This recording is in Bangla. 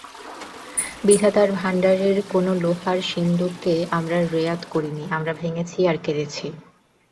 বিধাতার ভাণ্ডারের কোনো লোহার সিন্দুককে আমরা রেয়াত করি নি, আমরা ভেঙেছি আর কেড়েছি।